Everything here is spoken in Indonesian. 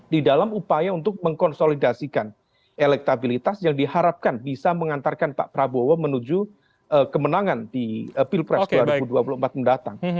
di dalam upaya untuk mengkonsolidasikan elektabilitas yang diharapkan bisa mengantarkan pak prabowo menuju kemenangan di pilpres dua ribu dua puluh empat mendatang